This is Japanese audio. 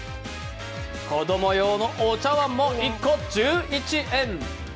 子供用のお茶碗も１個１１円。